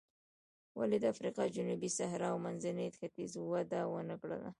ولې د افریقا جنوبي صحرا او منځني ختیځ وده ونه کړه.